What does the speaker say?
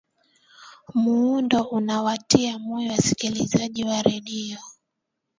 muundo unawatia moyo wasikilizaji wa redio